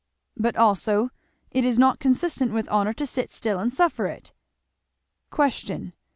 "But also it is not consistent with honour to sit still and suffer it." "Question.